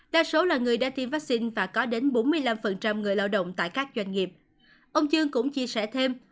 đa số là người đã tiêm vaccine và có đến bốn mươi năm người lao động tại các doanh nghiệp ông chương cũng chia sẻ thêm